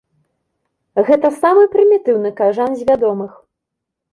Гэта самы прымітыўны кажан з вядомых.